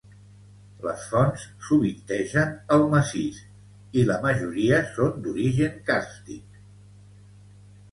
Les fonts sovintegen al massís, i la majoria són d'origen càrstic.